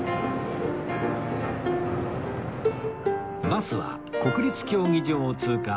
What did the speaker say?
バスは国立競技場を通過